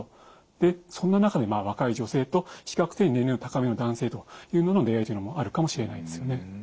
そんな中で若い女性と比較的年齢の高めの男性というのの出会いというのもあるかもしれないですよね。